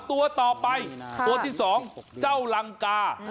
ตัวต่อไปตัวที่๒เจ้าลังกา